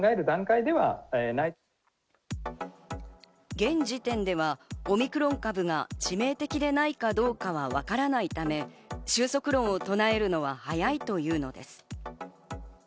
現時点ではオミクロン株が致命的でないかどうかはわからないため、収束論を唱えるのは早いというのです。